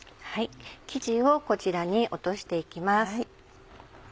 生地をこちらに落としていきます。